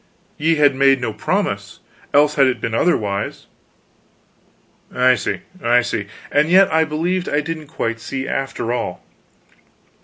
"Ye had made no promise; else had it been otherwise." "I see, I see.... And yet I believe I don't quite see, after all.